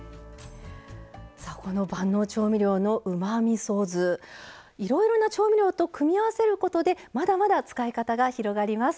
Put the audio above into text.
さあこの万能調味料のうまみそ酢いろいろな調味料と組み合わせることでまだまだ使い方が広がります。